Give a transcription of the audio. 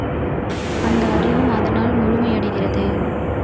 அந்த அறிவும் அதனால் முழுமை அடைகிறது.